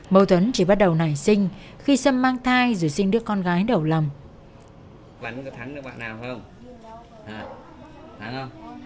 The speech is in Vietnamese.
mâu thuẫn chỉ bắt đầu nảy sinh khi sâm mang thai rồi sinh đứa con gái đầu lòng